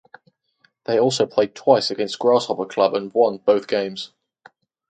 They also played twice against Grasshopper Club and won both games.